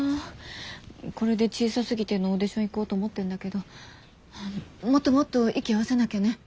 これで小さすぎてのオーディション行こうと思ってんだけどもっともっと息を合わせなきゃね。